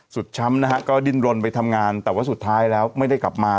ช้ำนะฮะก็ดิ้นรนไปทำงานแต่ว่าสุดท้ายแล้วไม่ได้กลับมา